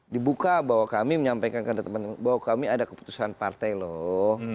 dibuka bahwa kami menyampaikan kepada teman teman bahwa kami ada keputusan partai loh